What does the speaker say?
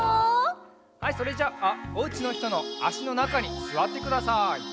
はいそれじゃあおうちのひとのあしのなかにすわってください。